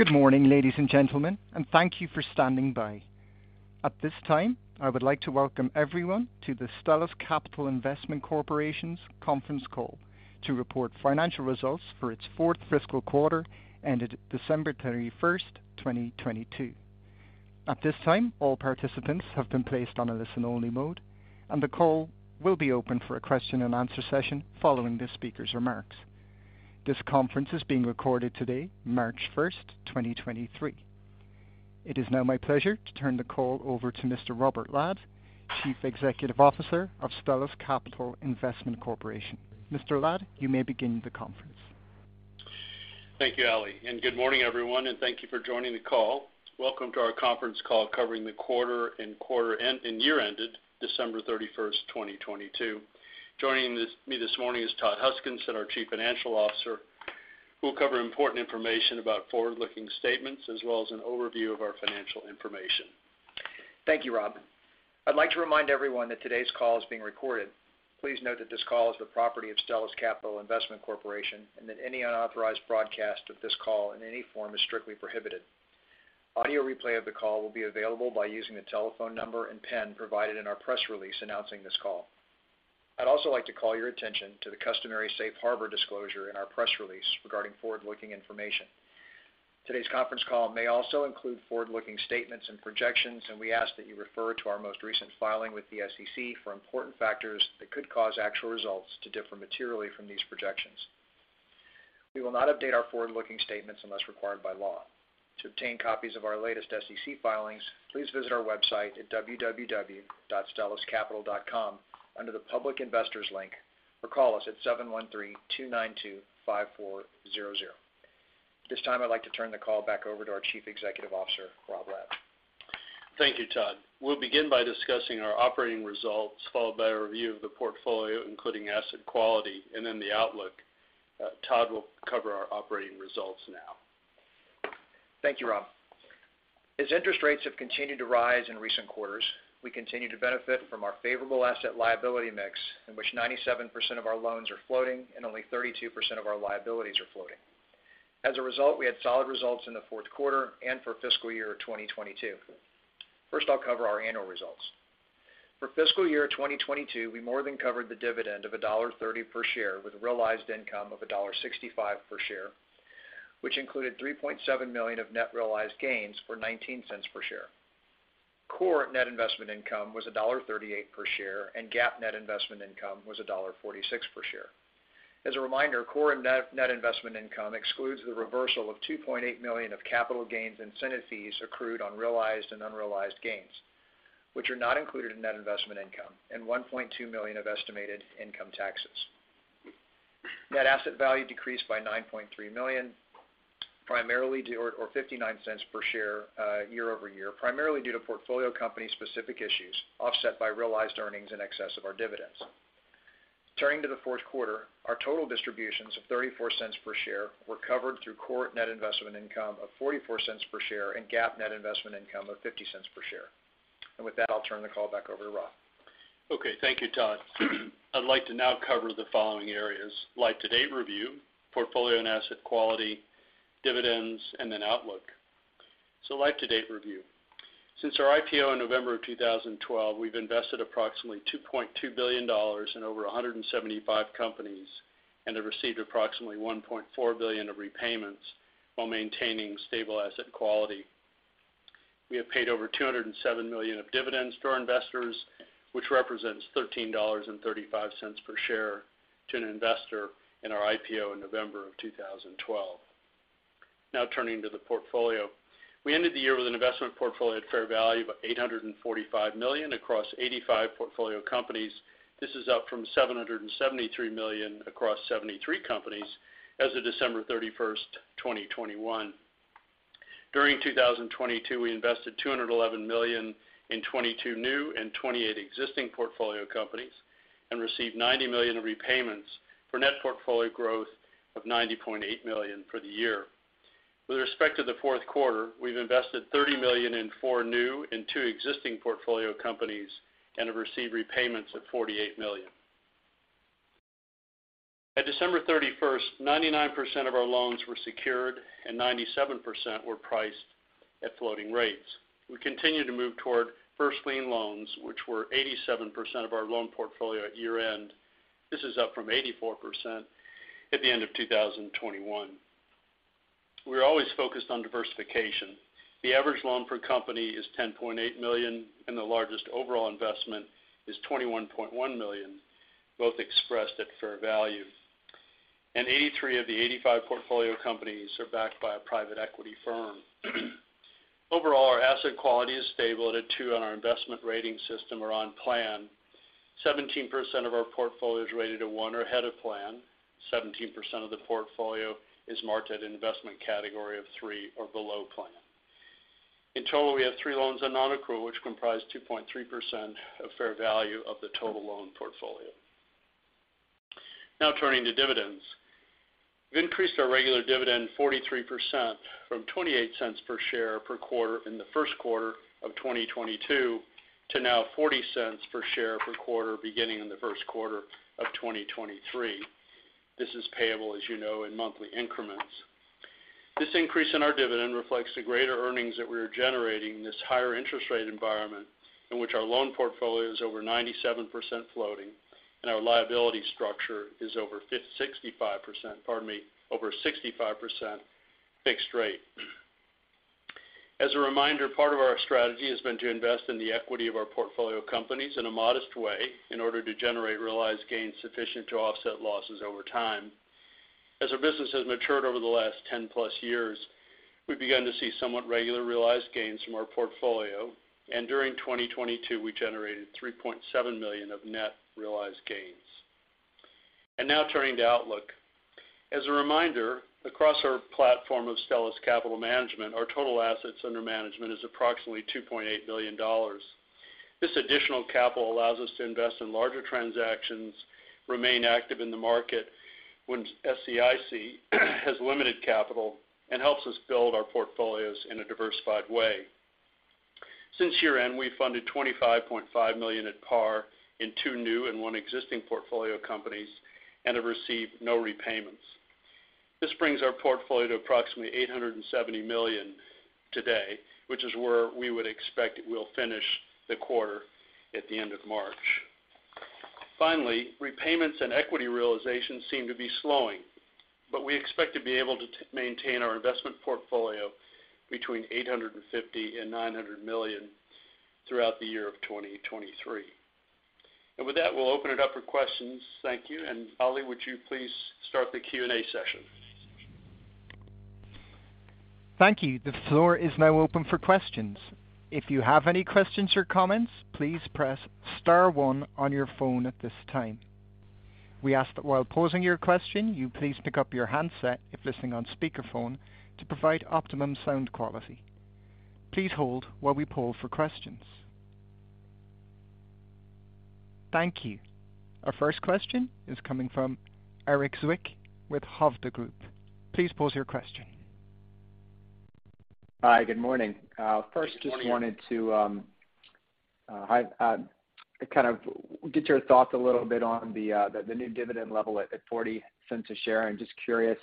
Good morning, ladies and gentlemen, thank you for standing by. At this time, I would like to welcome everyone to the Stellus Capital Investment Corporation's conference call to report financial results for its 4th fiscal quarter ended December 31st, 2022. At this time, all participants have been placed on a listen only mode, and the call will be open for a question-and-answer session following the speaker's remarks. This conference is being recorded today, March 1st, 2023. It is now my pleasure to turn the call over to Mr. Robert Ladd, Chief Executive Officer of Stellus Capital Investment Corporation. Mr. Ladd, you may begin the conference. Thank you, Ali. Good morning, everyone, and thank you for joining the call. Welcome to our conference call covering the quarter and year ended December 31st, 2022. Joining me this morning is Todd Huskinson, our Chief Financial Officer, who will cover important information about forward-looking statements as well as an overview of our financial information. Thank you, Rob. I'd like to remind everyone that today's call is being recorded. Please note that this call is the property of Stellus Capital Investment Corporation, and that any unauthorized broadcast of this call in any form is strictly prohibited. Audio replay of the call will be available by using the telephone number and pen provided in our press release announcing this call. I'd also like to call your attention to the customary safe harbor disclosure in our press release regarding forward-looking information. Today's conference call may also include forward-looking statements and projections, and we ask that you refer to our most recent filing with the SEC for important factors that could cause actual results to differ materially from these projections. We will not update our forward-looking statements unless required by law. To obtain copies of our latest SEC filings, please visit our website at www.stelluscapital.com under the Public Investors link, or call us at 713-292-5400. This time, I'd like to turn the call back over to our Chief Executive Officer, Rob Ladd. Thank you, Todd. We'll begin by discussing our operating results, followed by a review of the portfolio, including asset quality, and then the outlook. Todd will cover our operating results now. Thank you, Rob. Interest rates have continued to rise in recent quarters, we continue to benefit from our favorable asset liability mix, in which 97% of our loans are floating and only 32% of our liabilities are floating. We had solid results in the fourth quarter and for fiscal year 2022. First, I'll cover our annual results. For fiscal year 2022, we more than covered the dividend of $1.30 per share with realized income of $1.65 per share, which included $3.7 million of net realized gains for $0.19 per share. Core net investment income was $1.38 per share, and GAAP net investment income was $1.46 per share. As a reminder, core net investment income excludes the reversal of $2.8 million of capital gains incentive fees accrued on realized and unrealized gains, which are not included in net investment income, and $1.2 million of estimated income taxes. Net asset value decreased by $9.3 million, primarily due to $0.59 per share, year-over-year, primarily due to portfolio company-specific issues offset by realized earnings in excess of our dividends. Turning to the fourth quarter, our total distributions of $0.34 per share were covered through core net investment income of $0.44 per share and GAAP net investment income of $0.50 per share. With that, I'll turn the call back over to Rob. Okay. Thank you, Todd. I'd like to now cover the following areas: life-to-date review, portfolio and asset quality, dividends, and then outlook. Life-to-date review. Since our IPO in November 2012, we've invested approximately $2.2 billion in over 175 companies and have received approximately $1.4 billion of repayments while maintaining stable asset quality. We have paid over $207 million of dividends to our investors, which represents $13.35 per share to an investor in our IPO in November 2012. Turning to the portfolio. We ended the year with an investment portfolio at fair value of $845 million across 85 portfolio companies. This is up from $773 million across 73 companies as of December 31st, 2021. During 2022, we invested $211 million in 22 new and 28 existing portfolio companies and received $90 million of repayments for net portfolio growth of $90.8 million for the year. With respect to the fourth quarter, we've invested $30 million in four new and two existing portfolio companies and have received repayments of $48 million. At December 31st, 99% of our loans were secured and 97% were priced at floating rates. We continue to move toward first lien loans, which were 87% of our loan portfolio at year-end. This is up from 84% at the end of 2021. We're always focused on diversification. The average loan per company is $10.8 million, and the largest overall investment is $21.1 million, both expressed at fair value. 83 of the 85 portfolio companies are backed by a private equity firm. Overall, our asset quality is stable at a 2 on our investment rating system or on plan. 17% of our portfolio is rated a 1 or ahead of plan. 17% of the portfolio is marked at an investment category of 3 or below plan. In total, we have three loans on non-accrual, which comprise 2.3% of fair value of the total loan portfolio. Now turning to dividends. We've increased our regular dividend 43% from $0.28 per share per quarter in the first quarter of 2022 to now $0.40 per share per quarter beginning in the first quarter of 2023. This is payable, as you know, in monthly increments. This increase in our dividend reflects the greater earnings that we are generating in this higher interest rate environment in which our loan portfolio is over 97% floating and our liability structure is over 65%, pardon me, over 65% fixed rate. As a reminder, part of our strategy has been to invest in the equity of our portfolio companies in a modest way in order to generate realized gains sufficient to offset losses over time. As our business has matured over the last 10+ years, we've begun to see somewhat regular realized gains from our portfolio. During 2022, we generated $3.7 million of net realized gains. Now turning to outlook. As a reminder, across our platform of Stellus Capital Management, our total assets under management is approximately $2.8 billion. This additional capital allows us to invest in larger transactions, remain active in the market when SCIC has limited capital, and helps us build our portfolios in a diversified way. Since year-end, we funded $25.5 million at par in two new and one existing portfolio of companies and have received no repayments. This brings our portfolio to approximately $870 million today, which is where we would expect it will finish the quarter at the end of March. Repayments and equity realizations seem to be slowing, but we expect to be able to maintain our investment portfolio between $850 million-$900 million throughout the year of 2023. With that, we'll open it up for questions. Thank you. Ali, would you please start the Q and A session? Thank you. The floor is now open for questions. If you have any questions or comments, please press star one on your phone at this time. We ask that while posing your question, you please pick up your handset if listening on speakerphone to provide optimum sound quality. Please hold while we poll for questions. Thank you. Our first question is coming from Erik Zwick with Hovde Group. Please pose your question. Hi, good morning. Good morning. First just wanted to, hi, kind of get your thoughts a little bit on the new dividend level at $0.40 a share. I'm just curious,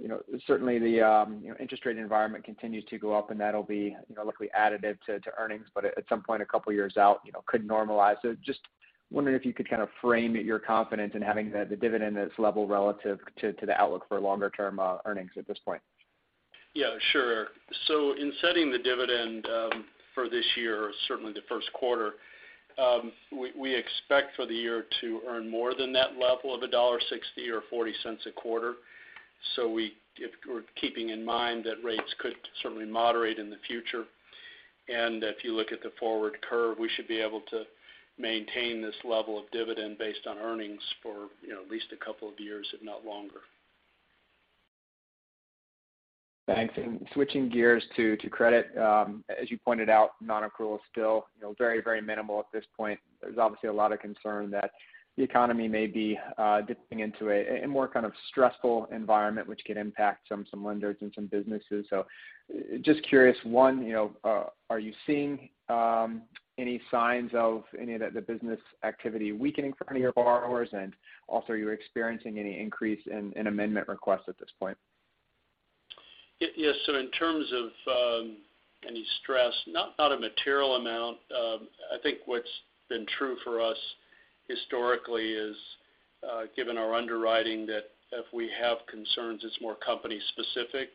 you know, certainly the, you know, interest rate environment continues to go up, and that'll be, you know, luckily additive to earnings, but at some point a couple years out, you know, could normalize. Just wondering if you could kind of frame your confidence in having the dividend at this level relative to the outlook for longer-term earnings at this point. Yeah, sure. In setting the dividend, for this year, certainly the first quarter, we expect for the year to earn more than that level of $1.60 or $0.40 a quarter. If we're keeping in mind that rates could certainly moderate in the future. If you look at the forward curve, we should be able to maintain this level of dividend based on earnings for, you know, at least a couple of years, if not longer. Thanks. Switching gears to credit, as you pointed out, non-accrual is still, you know, very minimal at this point. There's obviously a lot of concern that the economy may be dipping into a more kind of stressful environment, which could impact some lenders and some businesses. Just curious, one, you know, are you seeing any signs of any of the business activity weakening from any of your borrowers? Also, are you experiencing any increase in amendment requests at this point? Yes. In terms of any stress, not a material amount. I think what's been true for us historically is given our underwriting that if we have concerns, it's more company specific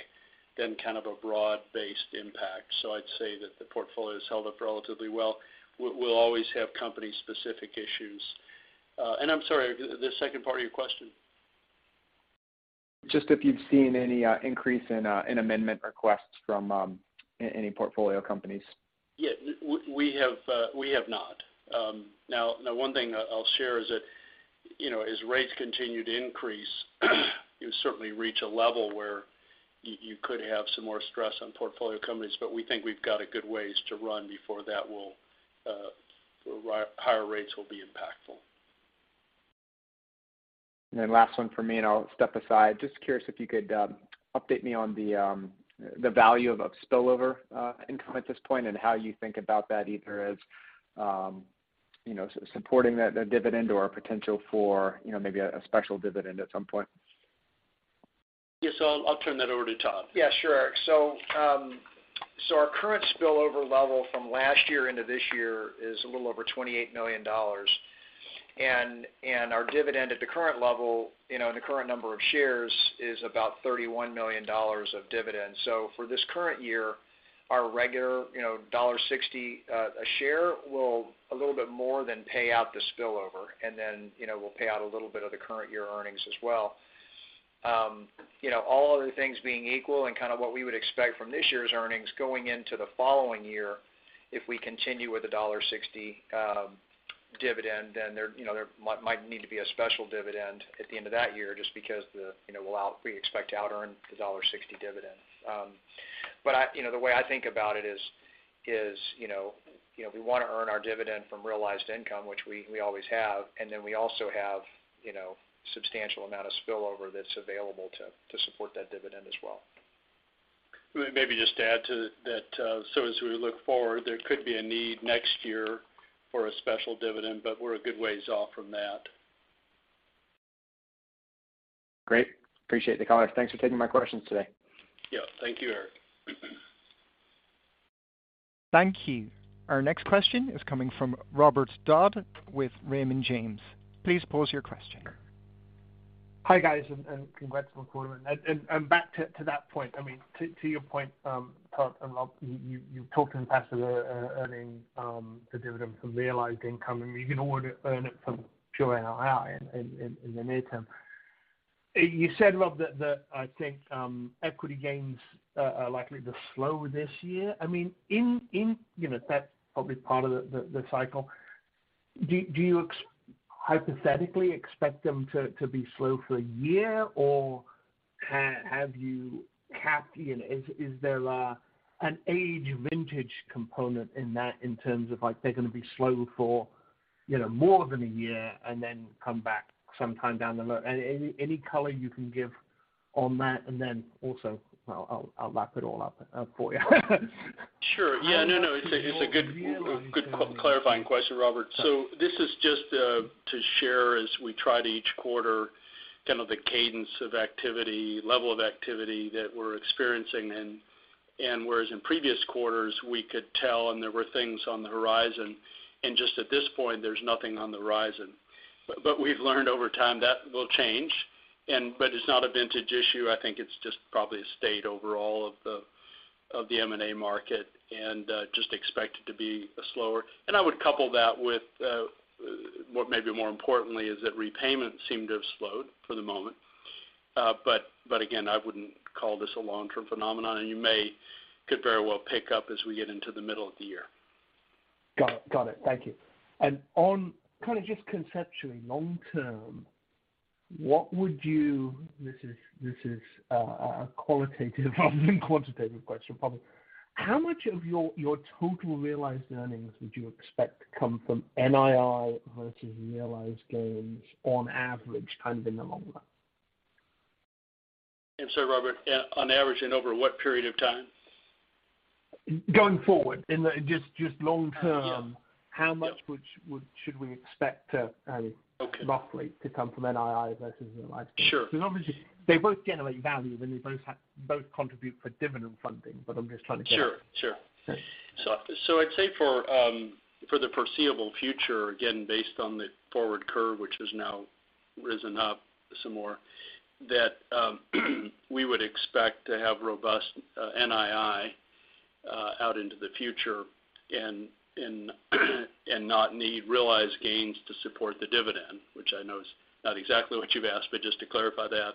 than kind of a broad-based impact. I'd say that the portfolio has held up relatively well. We'll always have company specific issues. I'm sorry, the second part of your question? Just if you've seen any increase in amendment requests from any portfolio companies? Yeah. We have not. Now one thing I'll share is that, you know, as rates continue to increase, you'll certainly reach a level where you could have some more stress on portfolio companies. We think we've got a good ways to run before that will, higher rates will be impactful. Last one for me, and I'll step aside. Just curious if you could update me on the value of spillover income at this point and how you think about that either as, you know, supporting that, the dividend or potential for, you know, maybe a special dividend at some point. Yes. I'll turn that over to Todd. Yeah, sure, Erik. Our current spillover level from last year into this year is a little over $28 million. Our dividend at the current level, you know, and the current number of shares is about $31 million of dividends. For this current year, our regular, you know, $1.60 a share will a little bit more than pay out the spillover. Then, you know, we'll pay out a little bit of the current year earnings as well. You know, all other things being equal and kind of what we would expect from this year's earnings going into the following year, if we continue with a $1.60 dividend, then there, you know, there might need to be a special dividend at the end of that year just because the, you know, we expect to out earn the $1.60 dividend. I, you know, the way I think about it is, you know, you know, we wanna earn our dividend from realized income, which we always have. We also have, you know, substantial amount of spillover that's available to support that dividend as well. Maybe just to add to that, as we look forward, there could be a need next year for a special dividend, but we're a good ways off from that. Great. Appreciate the color. Thanks for taking my questions today. Yeah, thank you, Erik. Thank you. Our next question is coming from Robert Dodd with Raymond James. Please pose your question. Hi, guys, and congrats on the quarter. Back to that point, I mean, to your point, Todd and Rob, you've talked in the past about earning the dividend from realized income, and you can earn it from pure NII in the near term. You said, Rob, that I think equity gains are likely to slow this year. I mean, you know, that's probably part of the cycle. Do you hypothetically expect them to be slow for a year or have you capped, you know, is there an age vintage component in that in terms of, like, they're gonna be slow for, you know, more than a year and then come back sometime down the road? Any color you can give on that? Also, I'll wrap it all up for you. Sure. Yeah. No, it's a good clarifying question, Robert. This is just to share as we try to each quarter kind of the cadence of activity, level of activity that we're experiencing. Whereas in previous quarters, we could tell and there were things on the horizon. Just at this point, there's nothing on the horizon. We've learned over time that will change. It's not a vintage issue. I think it's just probably a state overall of the M&A market and just expect it to be a slower. I would couple that with what may be more importantly is that repayments seem to have slowed for the moment. Again, I wouldn't call this a long-term phenomenon, and you could very well pick up as we get into the middle of the year. Got it. Got it. Thank you. On kind of just conceptually, long term, this is a qualitative rather than quantitative question, probably. How much of your total realized earnings would you expect to come from NII versus realized gains on average, kind of in the long run? I'm sorry, Robert, on average and over what period of time? Going forward. In the just long term. Yeah. How much would? Yeah. should we expect to, I mean... Okay. roughly to come from NII versus realized? Sure. Obviously they both generate value, and they both contribute for dividend funding, but I'm just trying to. Sure, sure. Okay. I'd say for the foreseeable future, again, based on the forward curve, which has now risen up some more, that we would expect to have robust NII out into the future and not need realized gains to support the dividend, which I know is not exactly what you've asked, but just to clarify that.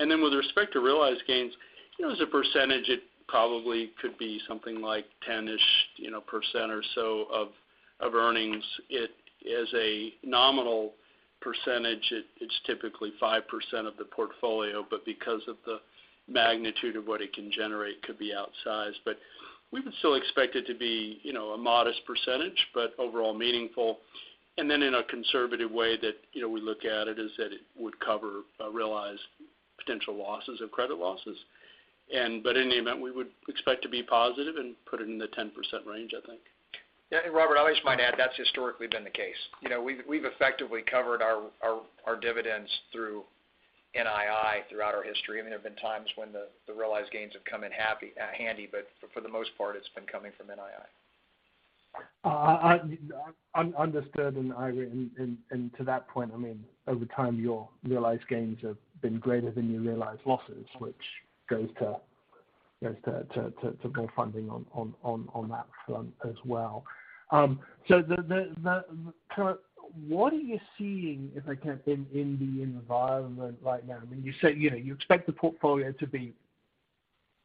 With respect to realized gains, you know, as a percentage, it probably could be something like 10%-ish, you know, percent or so of earnings. It as a nominal percentage, it's typically 5% of the portfolio, but because of the magnitude of what it can generate could be outsized. We would still expect it to be, you know, a modest percentage, but overall meaningful. In a conservative way that, you know, we look at it is that it would cover realized potential losses of credit losses. In any event, we would expect to be positive and put it in the 10% range, I think. Yeah. Robert, I might add, that's historically been the case. You know, we've effectively covered our dividends through NII throughout our history. I mean, there have been times when the realized gains have come in handy, but for the most part, it's been coming from NII. Understood. To that point, I mean, over time, your realized gains have been greater than your realized losses, which goes to more funding on that front as well. Kind of what are you seeing, if I can, in the environment right now? I mean, you say, you know, you expect the portfolio to be,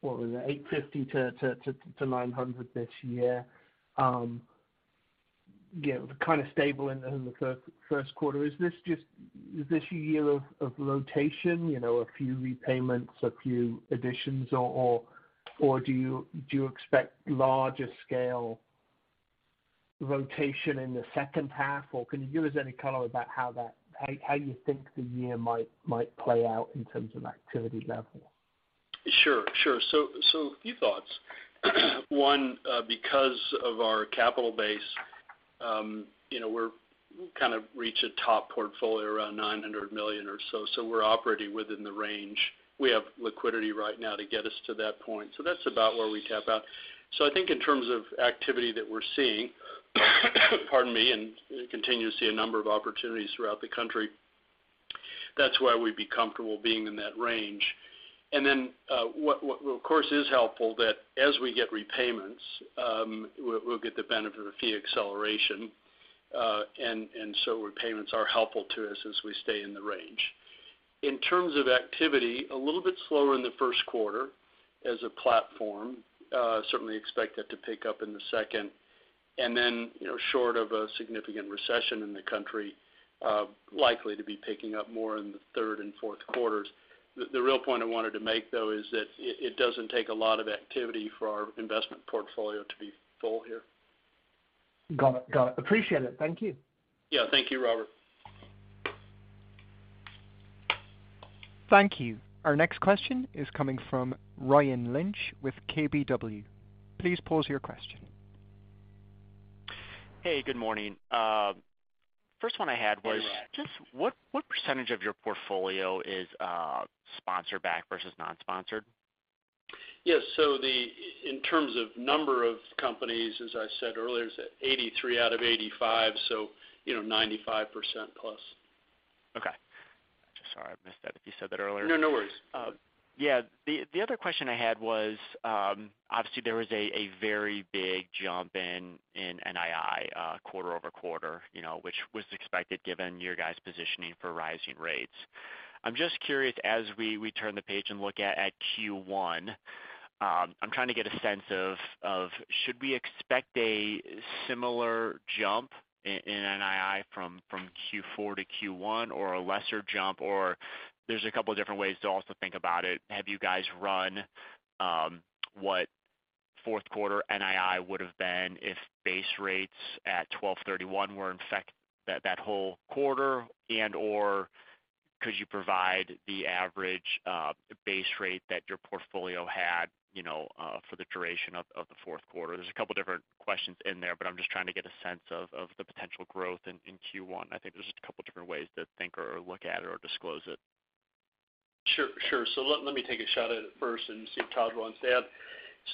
what was it, $850-$900 this year, you know, kind of stable in the first quarter. Is this a year of rotation, you know, a few repayments, a few additions or do you expect larger scale rotation in the second half, or can you give us any color about how you think the year might play out in terms of activity level? Sure, sure. A few thoughts. One, because of our capital base, you know, kind of reach a top portfolio around $900 million or so. We're operating within the range. We have liquidity right now to get us to that point. That's about where we cap out. I think in terms of activity that we're seeing, pardon me, and continue to see a number of opportunities throughout the country, that's why we'd be comfortable being in that range. Then, what of course, is helpful that as we get repayments, we'll get the benefit of a fee acceleration. Repayments are helpful to us as we stay in the range. In terms of activity, a little bit slower in the first quarter as a platform, certainly expect that to pick up in the second. You know, short of a significant recession in the country, likely to be picking up more in the third and fourth quarters. The real point I wanted to make, though, is that it doesn't take a lot of activity for our investment portfolio to be full here. Got it. Appreciate it. Thank you. Yeah. Thank you, Robert. Thank you. Our next question is coming from Ryan Lynch with KBW. Please pose your question. Hey, good morning. First one I had. Hey, Ryan.... just what percentage of your portfolio is sponsor backed versus non-sponsored? Yes. In terms of number of companies, as I said earlier, is that 83 out of 85, you know, 95%+. Okay. Just sorry, I missed that if you said that earlier. No, no worries. Yeah. The other question I had was, obviously, there was a very big jump in NII quarter-over-quarter, you know, which was expected given your guys' positioning for rising rates. I'm just curious, as we turn the page and look at Q1, I'm trying to get a sense of should we expect a similar jump in NII from Q4 to Q1 or a lesser jump or there's a couple different ways to also think about it. Have you guys run what Q4 NII would've been if base rates at 12/31 were in effect that whole quarter? And or could you provide the average base rate that your portfolio had, you know, for the duration of Q4? There's a couple different questions in there, but I'm just trying to get a sense of the potential growth in Q1. I think there's just a couple different ways to think or look at it or disclose it. Sure, sure. Let me take a shot at it first and see if Todd wants to add.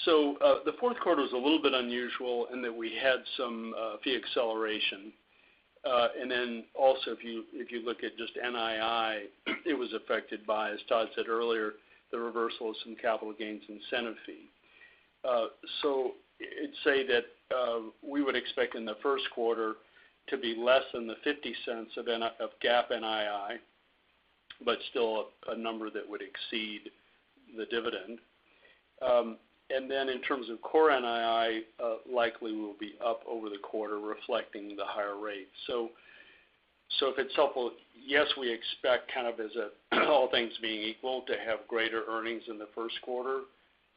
The fourth quarter was a little bit unusual in that we had some fee acceleration. And then also if you look at just NII, it was affected by, as Todd said earlier, the reversal of some capital gains incentive fee. I'd say that we would expect in the first quarter to be less than $0.50 of GAAP NII, but still a number that would exceed the dividend. And then in terms of core NII, likely will be up over the quarter reflecting the higher rate. If it's helpful, yes, we expect kind of as a, all things being equal to have greater earnings in the first quarter,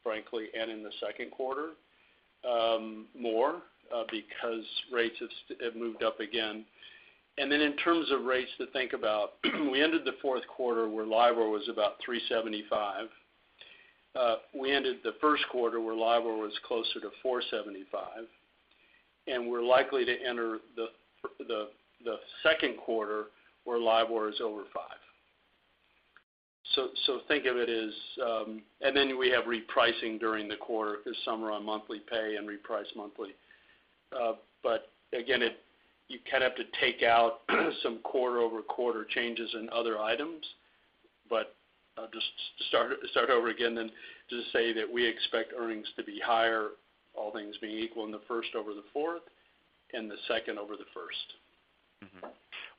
frankly, and in the second quarter, more because rates have moved up again. In terms of rates to think about, we ended the fourth quarter where LIBOR was about 3.75%. We ended the first quarter where LIBOR was closer to 4.75%, and we're likely to enter the second quarter where LIBOR is over 5%. Think of it as, then we have repricing during the quarter. Some are on monthly pay and reprice monthly. Again, you kind of have to take out some quarter-over-quarter changes in other items. I'll just start over again then just say that we expect earnings to be higher, all things being equal in the first over the fourth and the second over the first. Mm-hmm.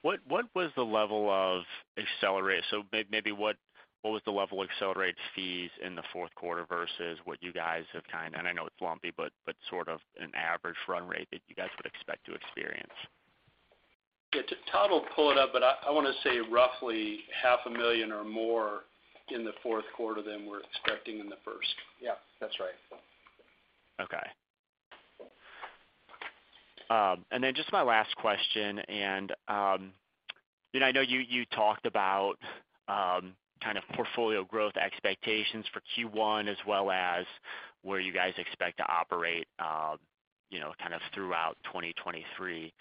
maybe what was the level of accelerated fees in the fourth quarter versus what you guys have kind of... I know it's lumpy, but sort of an average run rate that you guys would expect to experience? Yeah. Todd will pull it up, but I wanna say roughly half a million or more in the fourth quarter than we're expecting in the first. Yeah, that's right. Okay. Just my last question, you know, I know you talked about kind of portfolio growth expectations for Q1 as well as where you guys expect to operate, you know, kind of throughout 2023.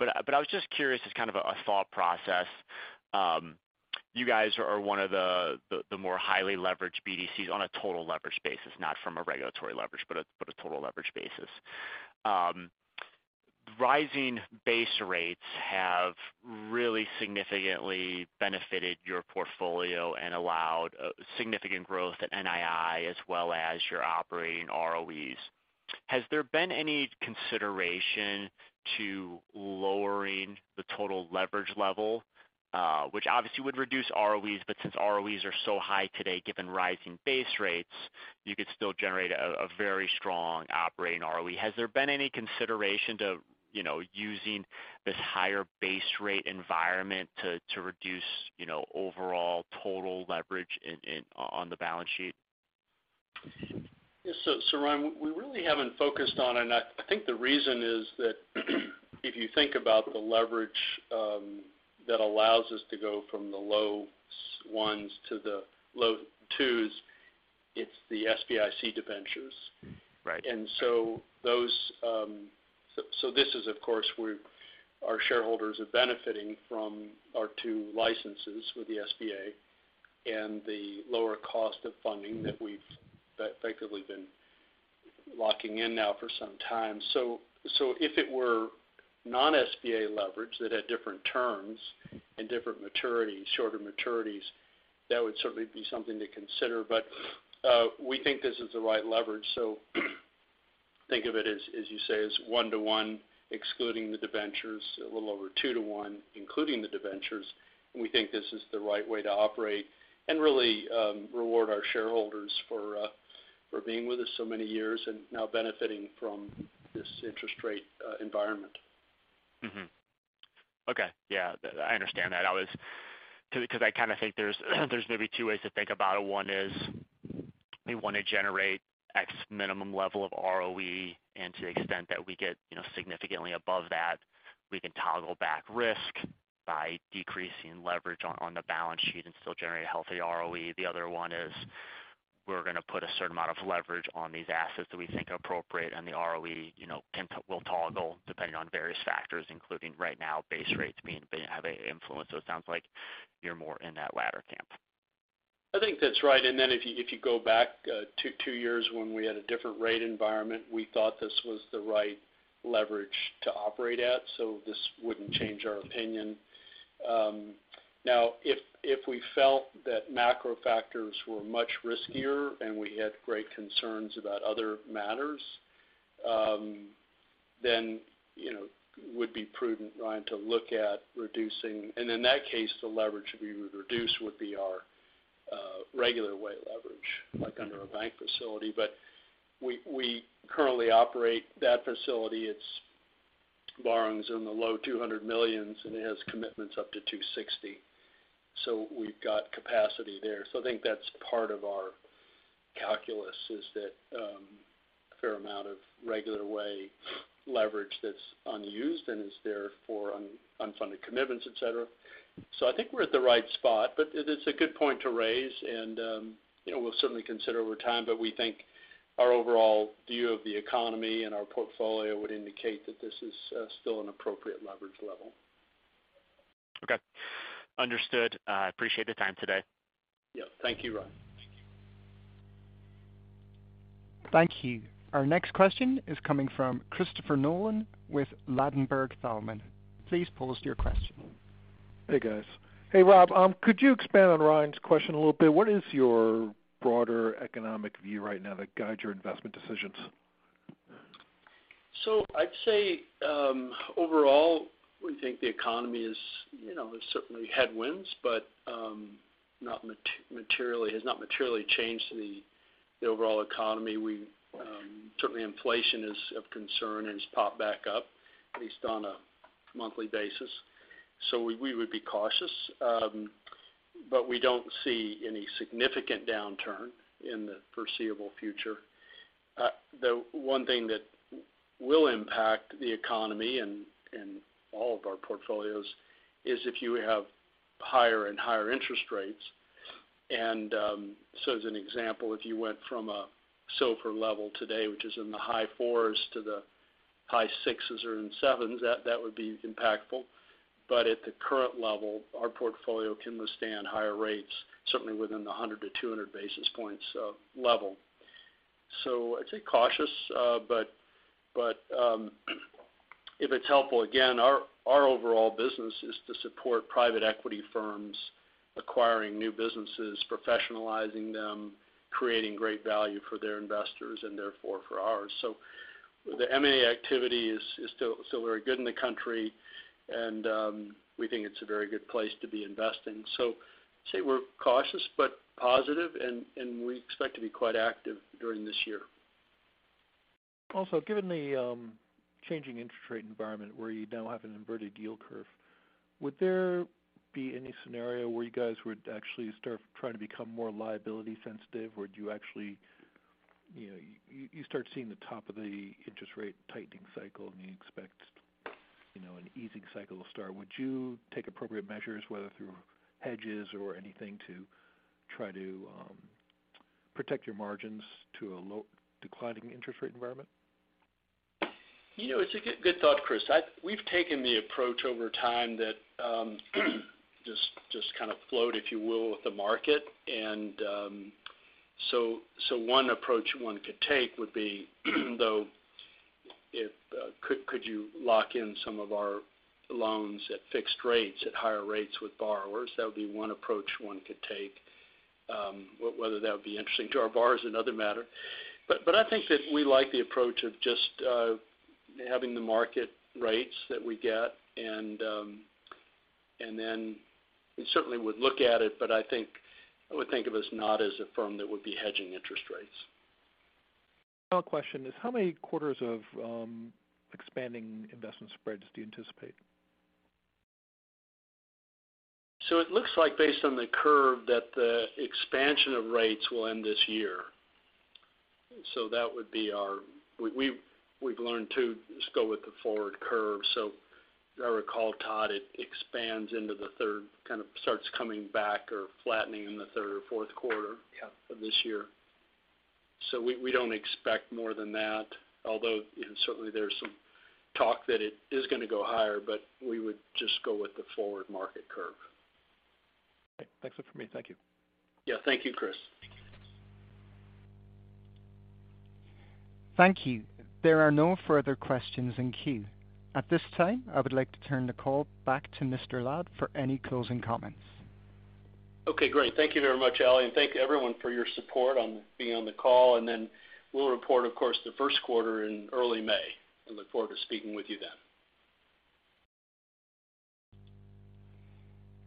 I was just curious as kind of a thought process. You guys are one of the more highly leveraged BDCs on a total leverage basis, not from a regulatory leverage, but a total leverage basis. Rising base rates have really significantly benefited your portfolio and allowed significant growth at NII as well as your operating ROEs. Has there been any consideration to lowering the total leverage level, which obviously would reduce ROEs, but since ROEs are so high today given rising base rates, you could still generate a very strong operating ROE? Has there been any consideration to, you know, using this higher base rate environment to reduce, you know, overall total leverage on the balance sheet? Yeah. Ryan, we really haven't focused on, and I think the reason is that if you think about the leverage, that allows us to go from the low ones to the low twos, it's the SBIC debentures. Right. Those, so this is, of course, our shareholders are benefiting from our two licenses with the SBA and the lower cost of funding that we've effectively been locking in now for some time. If it were non-SBA leverage that had different terms and different maturities, shorter maturities, that would certainly be something to consider. We think this is the right leverage. Think of it as you say, as 1 to 1, excluding the debentures, a little over 2 to 1, including the debentures, and we think this is the right way to operate and really reward our shareholders for being with us so many years and now benefiting from this interest rate environment. Okay. Yeah. I understand that. I kinda think there's maybe two ways to think about it. One is we wanna generate X minimum level of ROE. To the extent that we get, you know, significantly above that, we can toggle back risk by decreasing leverage on the balance sheet and still generate a healthy ROE. The other one is we're gonna put a certain amount of leverage on these assets that we think are appropriate, and the ROE, you know, will toggle depending on various factors, including right now base rates having influence. It sounds like you're more in that latter camp. I think that's right. If you go back two years when we had a different rate environment, we thought this was the right leverage to operate at, so this wouldn't change our opinion. Now if we felt that macro factors were much riskier, and we had great concerns about other matters, then, you know, would be prudent, Ryan, to look at reducing. In that case, the leverage that we would reduce would be our regular way leverage, like under a bank facility. We currently operate that facility. It's borrowings in the low $200 million, and it has commitments up to $260 million. We've got capacity there. I think that's part of our calculus is that a fair amount of regular way leverage that's unused and is there for unfunded commitments, et cetera. I think we're at the right spot. It is a good point to raise and, you know, we'll certainly consider over time, but we think our overall view of the economy and our portfolio would indicate that this is still an appropriate leverage level. Okay. Understood. I appreciate the time today. Yeah. Thank you, Ryan. Thank you. Our next question is coming from Christopher Nolan with Ladenburg Thalmann. Please pose your question. Hey, guys. Hey, Rob. Could you expand on Ryan's question a little bit? What is your broader economic view right now that guides your investment decisions? I'd say, overall, we think the economy is, you know, there's certainly headwinds, but has not materially changed the overall economy. We certainly inflation is of concern and has popped back up at least on a monthly basis. We, we would be cautious, but we don't see any significant downturn in the foreseeable future. The one thing that will impact the economy and all of our portfolios is if you have higher and higher interest rates. As an example, if you went from a SOFR level today, which is in the high fours to the high sixes or in sevens, that would be impactful. But at the current level, our portfolio can withstand higher rates, certainly within the 100-200 basis points level. I'd say cautious, but if it's helpful, again, our overall business is to support private equity firms acquiring new businesses, professionalizing them, creating great value for their investors and therefore for ours. The M&A activity is still very good in the country, and we think it's a very good place to be investing. I'd say we're cautious but positive and we expect to be quite active during this year. Also, given the changing interest rate environment where you now have an inverted yield curve, would there be any scenario where you guys would actually start trying to become more liability sensitive? Would you actually, you know, you start seeing the top of the interest rate tightening cycle and you expect, you know, an easing cycle to start? Would you take appropriate measures, whether through hedges or anything, to try to protect your margins to a low declining interest rate environment? You know, it's a good thought, Chris. We've taken the approach over time that, just kind of float, if you will, with the market. So one approach one could take would be, though if, could you lock in some of our loans at fixed rates, at higher rates with borrowers? That would be one approach one could take. Whether that would be interesting to our borrowers is another matter. But I think that we like the approach of just having the market rates that we get, and then we certainly would look at it, but I think I would think of us not as a firm that would be hedging interest rates. My question is how many quarters of expanding investment spreads do you anticipate? It looks like based on the curve that the expansion of rates will end this year. That would be our. We've learned to just go with the forward curve. If I recall, Todd, it expands into the third, kind of starts coming back or flattening in the third or fourth quarter. Yeah. -of this year. We don't expect more than that. Although, you know, certainly there's some talk that it is gonna go higher, but we would just go with the forward market curve. Okay. That's it for me. Thank you. Yeah. Thank you, Chris. Thank you. There are no further questions in queue. At this time, I would like to turn the call back to Mr. Ladd for any closing comments. Okay, great. Thank you very much, Ali. Thank everyone for your support on being on the call. We'll report, of course, the first quarter in early May. I look forward to speaking with you then.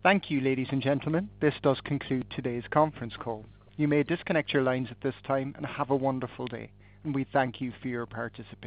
Thank you, ladies and gentlemen. This does conclude today's conference call. You may disconnect your lines at this time and have a wonderful day. We thank you for your participation.